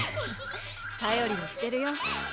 たよりにしてるよ